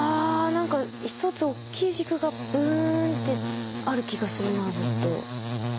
何か１つおっきい軸がブーンってある気がするなずっと。